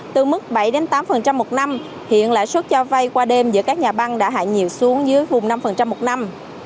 từ mức bảy tám một năm hiện lãi suất cho vay qua đêm giữa các nhà băng đã hạ nhiều xuống dưới vùng năm một năm